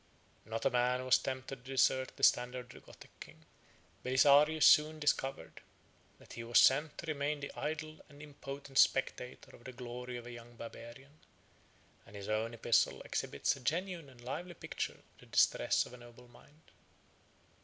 Not a man was tempted to desert the standard of the Gothic king. Belisarius soon discovered, that he was sent to remain the idle and impotent spectator of the glory of a young Barbarian; and his own epistle exhibits a genuine and lively picture of the distress of a noble mind.